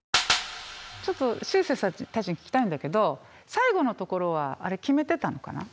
ちょっとしゅうせいさんたちに聞きたいんだけど最後のところはあれ決めてたのかな？